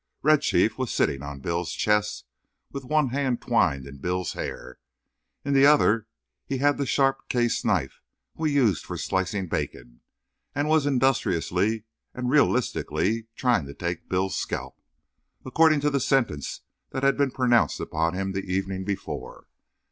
Red Chief was sitting on Bill's chest, with one hand twined in Bill's hair. In the other he had the sharp case knife we used for slicing bacon; and he was industriously and realistically trying to take Bill's scalp, according to the sentence that had been pronounced upon him the evening before.